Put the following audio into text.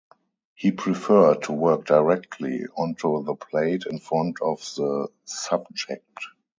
He preferred to work directly onto the plate in front of the subject.